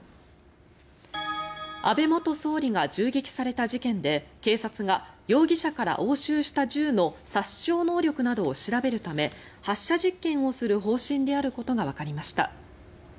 安倍元総理が銃撃された事件で警察が容疑者から押収した銃の殺傷能力などを調べるため発射実験をする方針であることがわかりました。